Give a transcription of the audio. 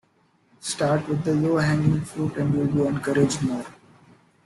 Start with the low hanging fruit and you'll be encouraged more.